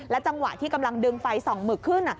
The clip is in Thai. จังหวะที่กำลังดึงไฟส่องหมึกขึ้น